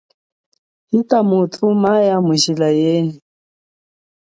Ita muthu maya mujila yenyi.